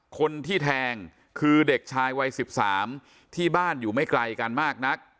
คนที่แทงคือเด็กชายวัย๑๓ที่บ้านอยู่ไม่ไกลกันมากนัก